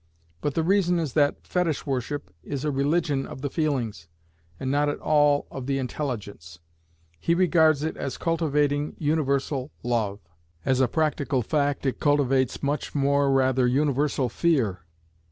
But the reason is that Fetish worship is a religion of the feelings, and not at all of the intelligence. He regards it as cultivating universal love: as a practical fact it cultivates much rather universal fear.